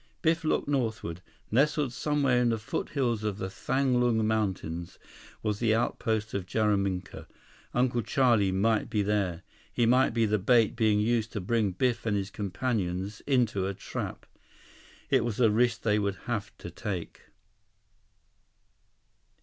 Biff looked northward. Nestled somewhere in the foothills of the Thanglung mountains was the outpost of Jaraminka. Uncle Charlie might be there. He might be the bait being used to bring Biff and his companions into a trap. It was a risk they would have to take.